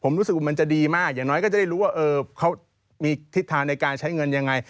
มีทิศทางในการใช้เงินอย่างไร